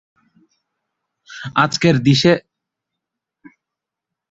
আজকের দিনের বিশেষ ফুলটি আদিত্য সরলার হাতে দিয়ে গেল।